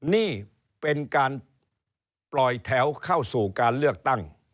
นี่เป็นการปล่อยแถวเข้าสู่การเลือกตั้ง